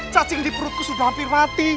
cacing di perutku sudah hampir mati